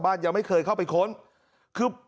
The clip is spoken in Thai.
มึงอยากให้ผู้ห่างติดคุกหรอ